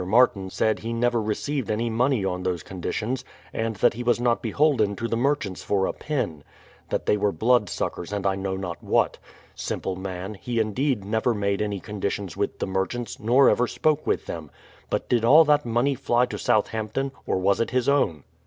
Martin said he never received any money on those conditions, and that he was not beholden to the merchants for a pin; that they were blood suckers, and I know not what. Simple man, he indeed never made any conditions with the merchants, nor ever spoke with them. But did all that money fly to Southampton, or was it his own?